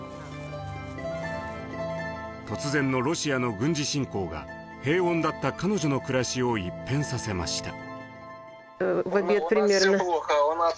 突然のロシアの軍事侵攻が平穏だった彼女の暮らしを一変させました。